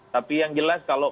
tapi yang jelas kalau